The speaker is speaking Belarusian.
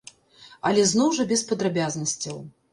Але зноў жа без падрабязнасцяў.